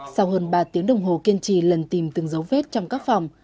sau hơn ba tiếng đồng hồ kiên trì lần tìm từng dấu vết trong các phòng